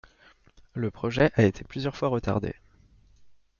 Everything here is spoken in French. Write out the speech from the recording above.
Le projet a été plusieurs fois retardé.